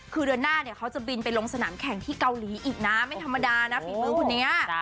คือเดือนหน้าเนี่ยเขาจะบินไปลงสนามแข่งที่เกาหลีอีกนะไม่ธรรมดานะฝีมือคนนี้